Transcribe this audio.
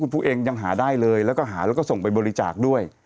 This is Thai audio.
พวกเองยังหาได้เลยแล้วก็หาแล้วก็ส่งไปบริจาคด้วย